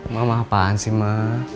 mama apaan sih ma